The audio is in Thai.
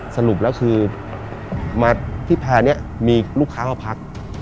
สรุปแล้วคือมาที่แพร่นี้มีลูกค้ามาพัก